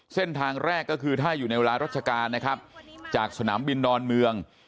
เส้นทางแรกก็คือถ้าอยู่ในเวลาราชการนะครับจากสนามบินดอนเมือง